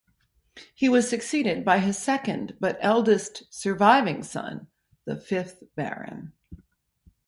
He was succeeded by his second but eldest surviving son, the fifth Baron.